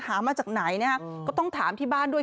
มาจากไหนนะฮะก็ต้องถามที่บ้านด้วย